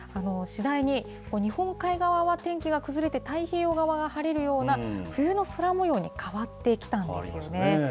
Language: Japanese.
次第に日本海側は天気が崩れて、太平洋側が晴れるような冬の空もように変わってきたんですよね。